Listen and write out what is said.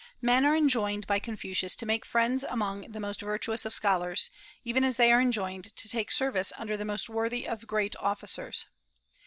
Men are enjoined by Confucius to make friends among the most virtuous of scholars, even as they are enjoined to take service under the most worthy of great officers.